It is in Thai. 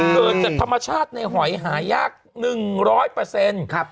เกิดจากธรรมชาติในหอยหายาก๑๐๐เปอร์เซ็นต์